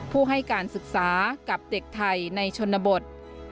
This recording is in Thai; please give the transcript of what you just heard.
ผู้ให้การศึกษากับเด็กไทยในชนบท